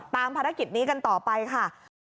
ภารกิจนี้กันต่อไปค่ะ